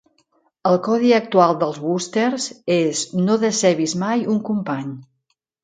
El codi actual dels Woosters és "No decebis mai un company".